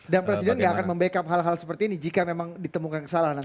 dan presiden gak akan membackup hal hal seperti ini jika memang ditemukan kesalahan